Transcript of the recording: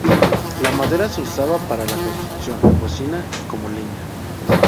La madera se usaba para la construcción, la cocina y como leña.